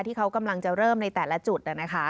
ที่เขากำลังจะเริ่มในแต่ละจุดนะคะ